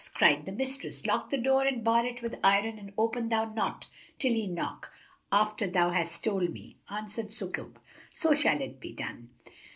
Cried the mistress, "Lock the door and bar it with iron and open thou not till he knock, after thou hast told me." Answered Sukub, "So shall it be done."